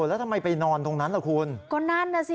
แล้วทำไมไปนอนตรงนั้นล่ะคุณก็นั่นน่ะสิ